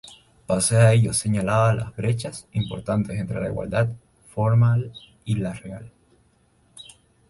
Pese a ello, señala la "brechas importantes entre la igualdad formal y la real.